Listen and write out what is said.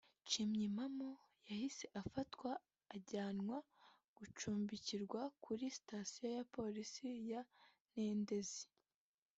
Nshimyimpamo yahise afatwa ajyanwa gucumbikirwa kuri station ya polisi ya Ntendezi